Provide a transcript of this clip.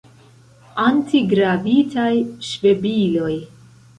Antigravitaj ŝvebiloj.